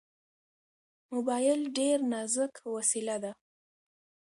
موبایل ډېر نازک وسیله ده.